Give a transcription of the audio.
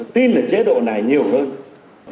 tin ở chế độ này nhiều hơn